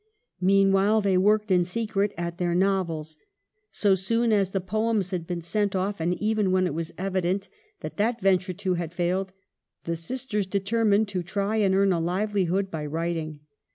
Meanwhile they worked in secret at their novels. So soon as the poems had been sent off, and even when it was evident that that ven ture, too, had failed, the sisters determined to try and earn a livelihood by writing.